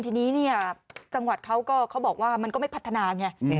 ที่นี่จังหวัดเขามันก็ไม่พัฒนา